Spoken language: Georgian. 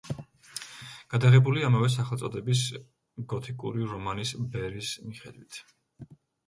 გადაღებულია ამავე სახელწოდების გოთიკური რომანის „ბერის“ მიხედვით.